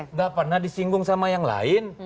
nggak pernah disinggung sama yang lain